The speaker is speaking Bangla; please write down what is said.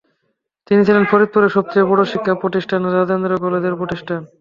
তিনি ছিলেন ফরিদপুরের সবচেয়ে বড় শিক্ষা প্রতিষ্ঠান রাজেন্দ্র কলেজের প্রতিষ্ঠাতা।